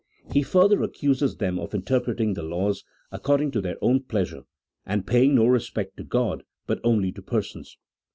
He further accuses them of interpreting the laws according to their own pleasure, and paying no respect to God but only to persons.